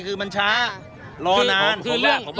คือมันช้ารอนาน